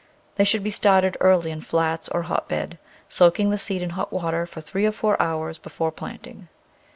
They should be started early in flats or hotbed, soaking the seed in hot water for three or four hours before planting.